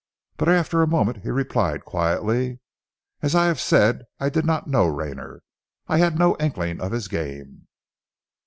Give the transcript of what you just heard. But after a moment he replied quietly, "As I have said, I did not know Rayner. I had no inkling of his game."